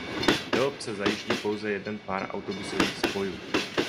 Do obce zajíždí pouze jeden pár autobusových spojů.